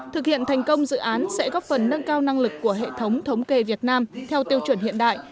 thực hiện thành công dự án sẽ góp phần nâng cao năng lực của hệ thống thống kê việt nam theo tiêu chuẩn hiện đại